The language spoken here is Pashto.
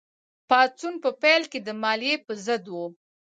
پاڅون په پیل کې د مالیې په ضد و.